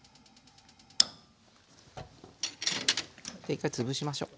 一回潰しましょう。